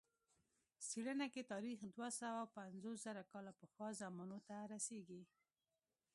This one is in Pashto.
څېړنه کې تاریخ دوه سوه پنځوس زره کاله پخوا زمانو ته رسېږي.